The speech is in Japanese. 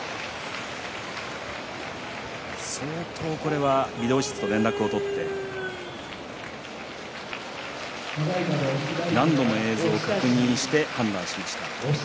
相当これはビデオ室と連絡を取って何度も映像を確認して判断しました。